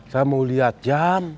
saya mau lihat jam